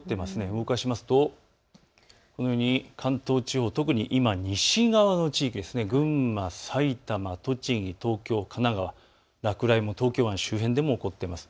動かしますと関東地方、特に今、西側の地域、群馬、埼玉、栃木、東京、神奈川、落雷が東京湾周辺でも起こっています。